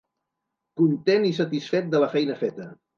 Content i satisfet de la feina feta.